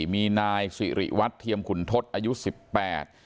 มีนายสิริวัตรเทียมขุนทศอายุสิบแปด